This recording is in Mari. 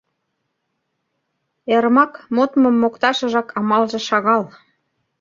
«Эрмак» модмым мокташыжак амалже шагал.